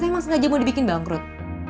maksudnya aja mau dibikin bangkrut